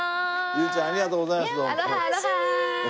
優ちゃんありがとうございますどうも。